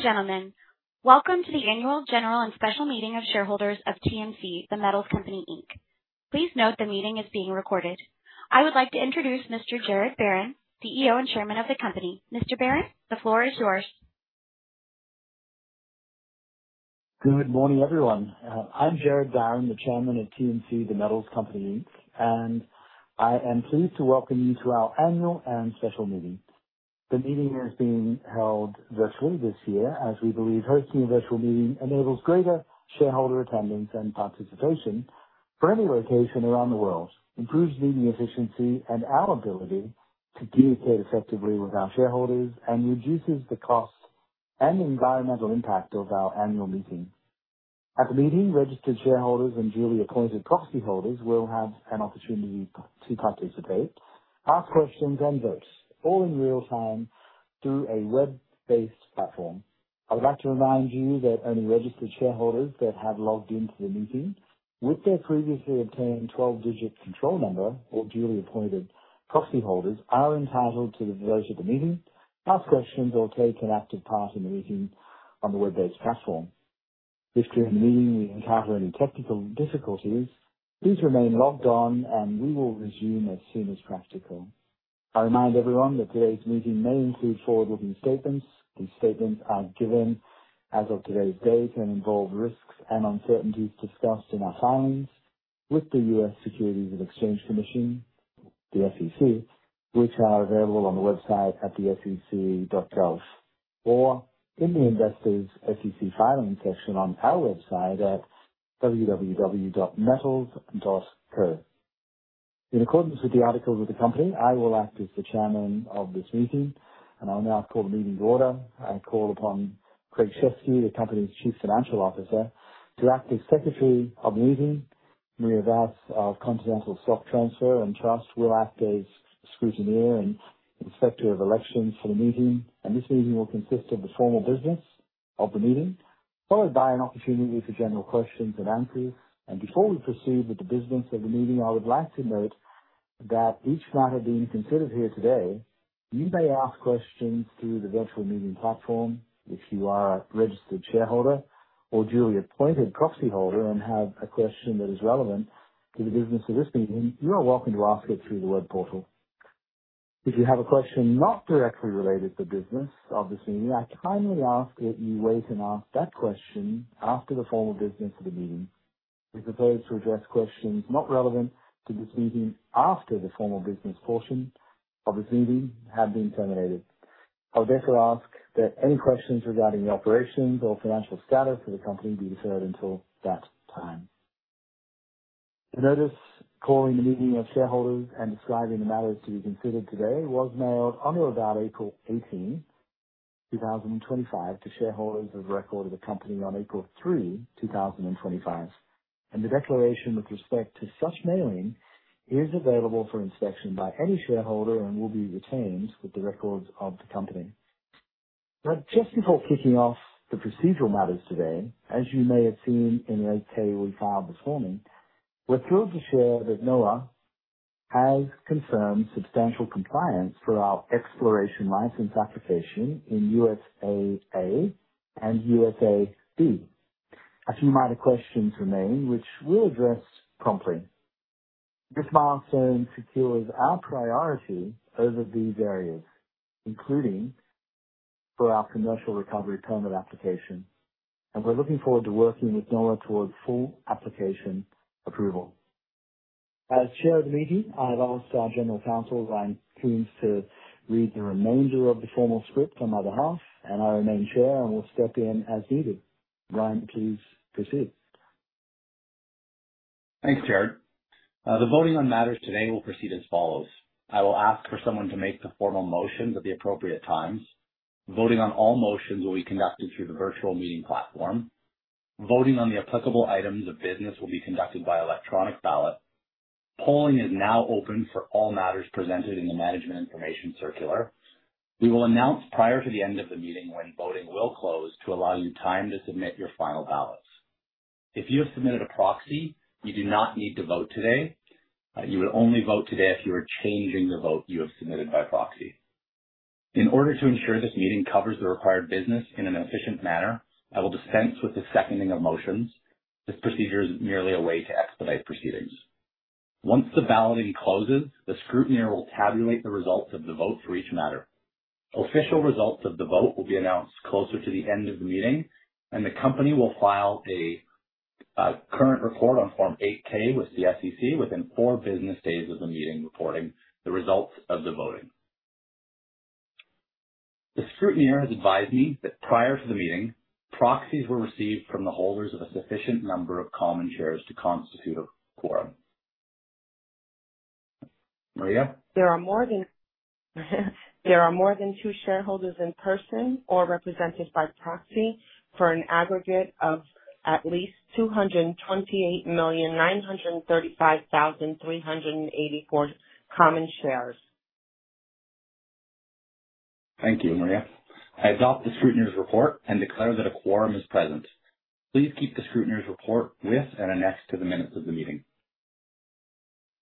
Ladies and gentlemen, welcome to the annual, general, and special meeting of shareholders of TMC the metals company Inc. Please note the meeting is being recorded. I would like to introduce Mr. Gerard Barron, CEO and Chairman of the company. Mr. Barron, the floor is yours. Good morning, everyone. I'm Gerard Barron, the Chairman of TMC the metals company Inc., and I am pleased to welcome you to our annual and special meeting. The meeting is being held virtually this year, as we believe hosting a virtual meeting enables greater shareholder attendance and participation from any location around the world, improves meeting efficiency and our ability to communicate effectively with our shareholders, and reduces the cost and environmental impact of our annual meeting. At the meeting, registered shareholders and duly appointed proxy holders will have an opportunity to participate, ask questions, and vote, all in real time through a web-based platform. I would like to remind you that only registered shareholders that have logged into the meeting with their previously obtained 12-digit control number, or duly appointed proxy holders, are entitled to the votes at the meeting, ask questions, or take an active part in the meeting on the web-based platform. If, during the meeting, we encounter any technical difficulties, please remain logged on, and we will resume as soon as practical. I remind everyone that today's meeting may include forward-looking statements. These statements are given as of today's date and involve risks and uncertainties discussed in our filings with the U.S. Securities and Exchange Commission, the SEC, which are available on the website at www.sec.gov or in the Investors SEC Filings section on our website at www.metals.co. In accordance with the articles of the company, I will act as the chairman of this meeting, and I'll now call the meeting to order. I call upon Craig Shesky, the company's Chief Financial Officer, to act as Secretary of the meeting. Maria Vass, of Continental Stock Transfer & Trust, will act as Scrutineer and Inspector of Elections for the meeting. This meeting will consist of the formal business of the meeting, followed by an opportunity for general questions and answers. Before we proceed with the business of the meeting, I would like to note that for each matter being considered here today, you may ask questions through the virtual meeting platform if you are a registered shareholder or duly appointed proxy holder and have a question that is relevant to the business of this meeting. You are welcome to ask it through the web portal. If you have a question not directly related to business of this meeting, I kindly ask that you wait and ask that question after the formal business of the meeting. We propose to address questions not relevant to this meeting after the formal business portion of this meeting have been terminated. I would also ask that any questions regarding the operations or financial status of the company be deferred until that time. The notice calling the meeting of shareholders and describing the matters to be considered today was mailed on or about April 18, 2025 to shareholders of record of the company on April 3, 2025. The declaration with respect to such mailing is available for inspection by any shareholder and will be retained with the records of the company. Just before kicking off the procedural matters today, as you may have seen in the 8-K we filed this morning, we're thrilled to share that NOAA has confirmed substantial compliance for our exploration license application in USA-A and USA-B. A few minor questions remain, which we'll address promptly. This milestone secures our priority over these areas, including for our commercial recovery permit application, and we're looking forward to working with NOAA towards full application approval. As Chair of the meeting, I have asked our General Counsel, Ryan Coombes, to read the remainder of the formal script on my behalf, and I remain Chair and will step in as needed. Ryan, please proceed. Thanks, Gerard. The voting on matters today will proceed as follows: I will ask for someone to make the formal motions at the appropriate times. Voting on all motions will be conducted through the virtual meeting platform. Voting on the applicable items of business will be conducted by electronic ballot. Polling is now open for all matters presented in the Management Information Circular. We will announce prior to the end of the meeting when voting will close to allow you time to submit your final ballots. If you have submitted a proxy, you do not need to vote today. You would only vote today if you are changing the vote you have submitted by proxy. In order to ensure this meeting covers the required business in an efficient manner, I will dispense with the seconding of motions. This procedure is merely a way to expedite proceedings. Once the balloting closes, the scrutineer will tabulate the results of the vote for each matter. Official results of the vote will be announced closer to the end of the meeting, and the company will file a current report on Form 8-K with the SEC within four business days of the meeting, reporting the results of the voting. The scrutineer has advised me that prior to the meeting, proxies were received from the holders of a sufficient number of common shares to constitute a quorum. Maria? There are more than two shareholders in person or represented by proxy for an aggregate of at least 228,935,384 common shares. Thank you, Maria. I adopt the scrutineer's report and declare that a quorum is present. Please keep the scrutineer's report with and annexed to the minutes of the meeting.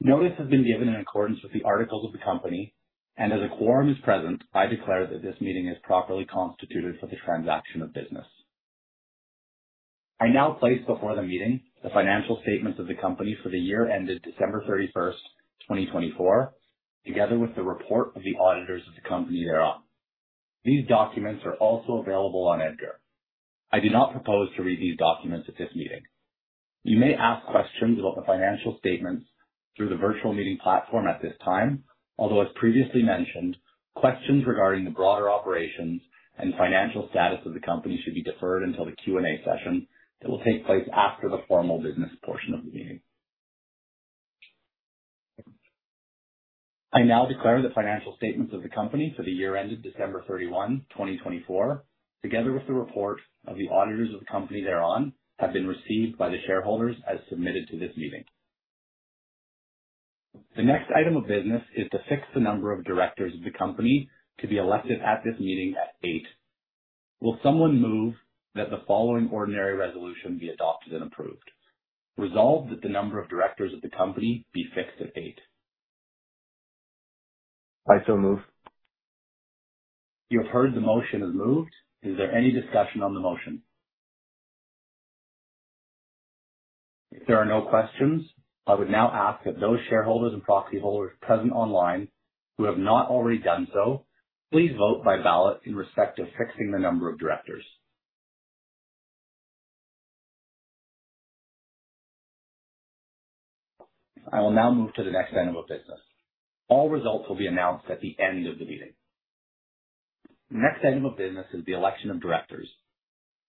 Notice has been given in accordance with the articles of the company, and as a quorum is present, I declare that this meeting is properly constituted for the transaction of business. I now place before the meeting the financial statements of the company for the year ended December 31, 2024, together with the report of the auditors of the company thereon. These documents are also available on EDGAR. I do not propose to read these documents at this meeting. You may ask questions about the financial statements through the virtual meeting platform at this time, although, as previously mentioned, questions regarding the broader operations and financial status of the company should be deferred until the Q&A session that will take place after the formal business portion of the meeting. I now declare the financial statements of the company for the year ended December 31, 2024, together with the report of the auditors of the company thereon, have been received by the shareholders as submitted to this meeting. The next item of business is to fix the number of directors of the company to be elected at this meeting at 8. Will someone move that the following ordinary resolution be adopted and approved? Resolved that the number of directors of the company be fixed at 8. I so move. You have heard the motion is moved. Is there any discussion on the motion? If there are no questions, I would now ask that those shareholders and proxy holders present online who have not already done so, please vote by ballot in respect to fixing the number of directors. I will now move to the next item of business. All results will be announced at the end of the meeting. The next item of business is the election of directors.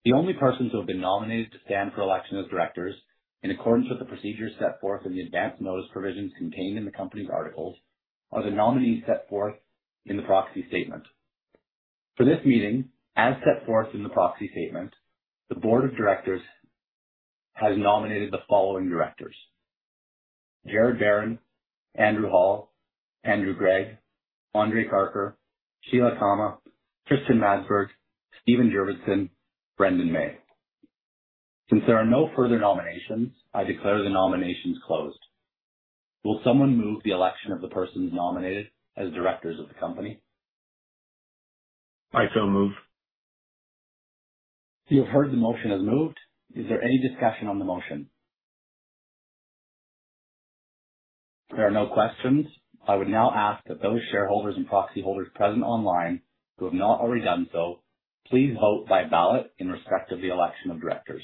The only persons who have been nominated to stand for election as directors, in accordance with the procedures set forth in the advance notice provisions contained in the company's articles, are the nominees set forth in the proxy statement. For this meeting, as set forth in the proxy statement, the board of directors has nominated the following directors: Gerard Barron, Andrew Hall, Andrew Greig, Andrei Karkar, Sheila Khama, Christian Madsbjerg, Stephen Jurvetson, Brendan May. Since there are no further nominations, I declare the nominations closed. Will someone move the election of the persons nominated as directors of the company? I so move. You have heard the motion is moved. Is there any discussion on the motion? If there are no questions, I would now ask that those shareholders and proxy holders present online who have not already done so, please vote by ballot in respect of the election of directors.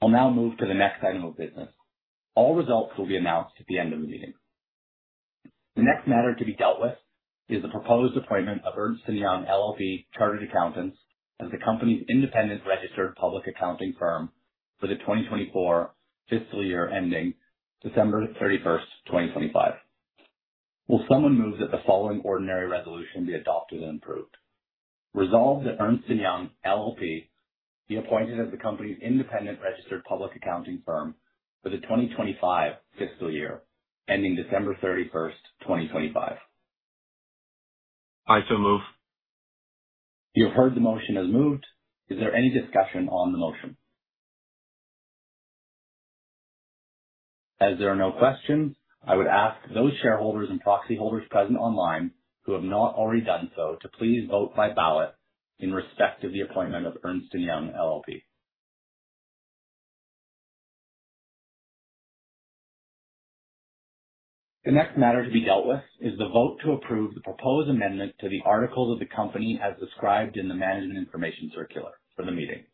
I'll now move to the next item of business. All results will be announced at the end of the meeting. The next matter to be dealt with is the proposed appointment of Ernst & Young LLP Chartered Accountants, as the company's independent registered public accounting firm for the 2024 fiscal year ending December 31, 2025. Will someone move that the following ordinary resolution be adopted and approved? Resolved that Ernst & Young LLP be appointed as the company's independent registered public accounting firm for the 2025 fiscal year ending December 31, 2025. I so move. You have heard the motion is moved. Is there any discussion on the motion? As there are no questions, I would ask those shareholders and proxy holders present online who have not already done so to please vote by ballot in respect of the appointment of Ernst & Young LLP. The next matter to be dealt with is the vote to approve the proposed amendment to the articles of the company as described in the Management Information Circular for the meeting.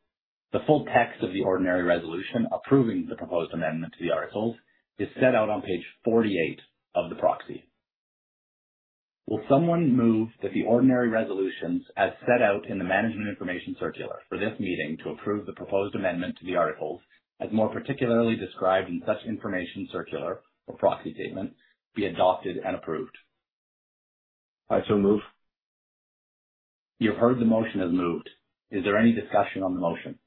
The full text of the ordinary resolution approving the proposed amendment to the articles is set out on page 48 of the proxy. Will someone move that the ordinary resolutions as set out in the Management Information Circular for this meeting, to approve the proposed amendment to the articles, as more particularly described in such information circular or Proxy Statement, be adopted and approved? I so move. You have heard the motion is moved. Is there any discussion on the motion?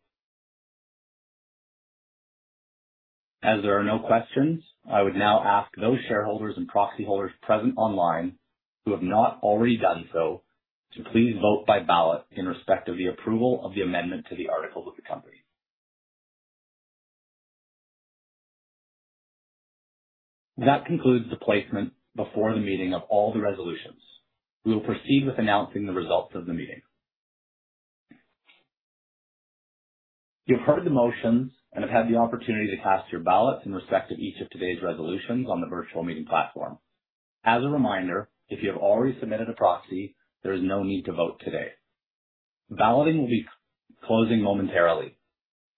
As there are no questions, I would now ask those shareholders and proxy holders present online who have not already done so to please vote by ballot in respect of the approval of the amendment to the articles of the company. That concludes the placement before the meeting of all the resolutions. We will proceed with announcing the results of the meeting. You have heard the motions and have had the opportunity to cast your ballot in respect to each of today's resolutions on the virtual meeting platform. As a reminder, if you have already submitted a proxy, there is no need to vote today. Balloting will be closing momentarily,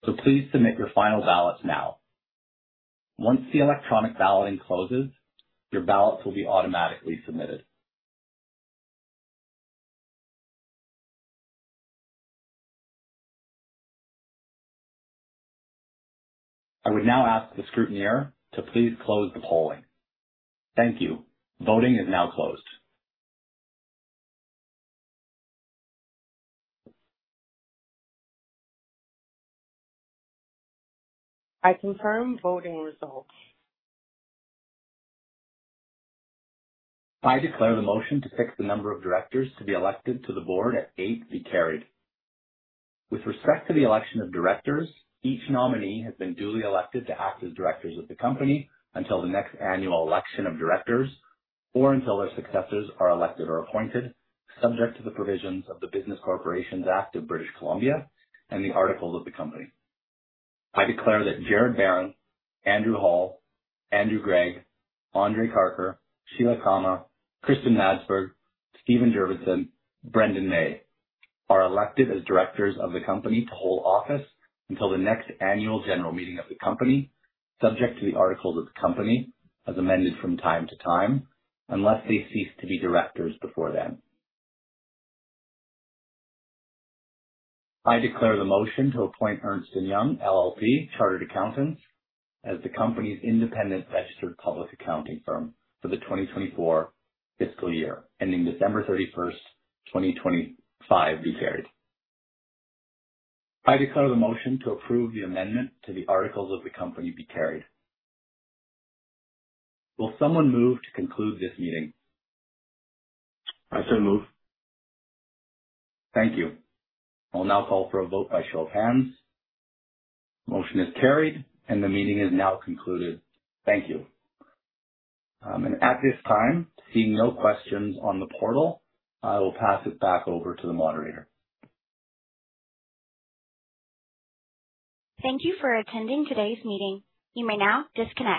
so please submit your final ballots now. Once the electronic balloting closes, your ballots will be automatically submitted. I would now ask the scrutineer to please close the polling. Thank you. Voting is now closed. I confirm voting results. I declare the motion to fix the number of directors to be elected to the board at eight be carried. With respect to the election of directors, each nominee has been duly elected to act as directors of the company until the next annual election of directors or until their successors are elected or appointed, subject to the provisions of the Business Corporations Act of British Columbia and the articles of the company. I declare that Gerard Barron, Andrew Hall, Andrew Greig, Andrei Karkar, Sheila Khama, Christian Madsbjerg, Stephen Jurvetson, Brendan May, are elected as directors of the company to hold office until the next annual general meeting of the company, subject to the articles of the company, as amended from time to time, unless they cease to be directors before then. I declare the motion to appoint Ernst & Young LLP, Chartered Accountants, as the company's independent registered public accounting firm for the 2024 fiscal year, ending December 31, 2025, be carried. I declare the motion to approve the amendment to the articles of the company be carried. Will someone move to conclude this meeting? I so move. Thank you. I'll now call for a vote by show of hands. Motion is carried, and the meeting is now concluded. Thank you. At this time, seeing no questions on the portal, I will pass it back over to the moderator. Thank you for attending today's meeting. You may now disconnect.